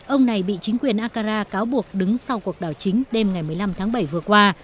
ông này bị chính quyền ankara cáo buộc đứng sau cuộc đảo chính đêm ngày một mươi năm tháng bảy vừa qua